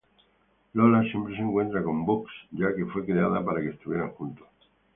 Lola siempre se encuentra con Bugs ya que fue creada para que estuvieran juntos.